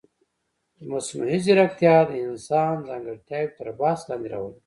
مصنوعي ځیرکتیا د انسان ځانګړتیاوې تر بحث لاندې راولي.